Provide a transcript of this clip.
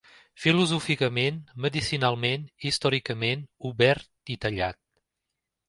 Filosòficament, medicinalment, històricament, obert i tallat.